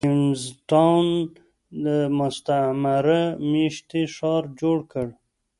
د جېمز ټاون مستعمره مېشتی ښار جوړ کړ.